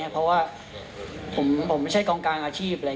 เพราะว่าผมไม่ใช่กองกลางอาชีพเลย